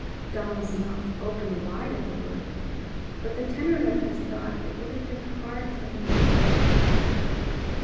Donal's mouth opened wide at the word, but the tenor of his thought it would have been hard for him to determine.